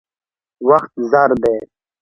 وخت زر دی.